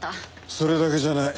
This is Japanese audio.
それだけじゃない。